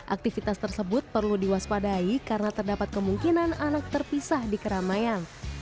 aktivitas tersebut perlu diwaspadai karena terdapat kemungkinan anak terpisah di keramaian